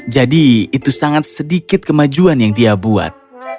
jadi itu sangat sedikit kemajuan yang dia buat